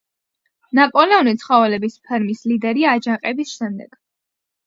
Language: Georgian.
ნაპოლეონი ცხოველების ფერმის ლიდერია აჯანყების შემდეგ.